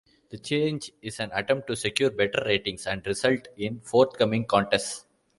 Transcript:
The change is an attempt to secure better ratings and results in forthcoming contests.